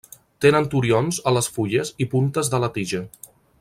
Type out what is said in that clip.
Tenen turions a les fulles i puntes de la tija.